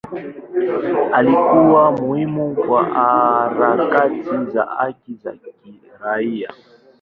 Alikuwa muhimu kwa harakati za haki za kiraia.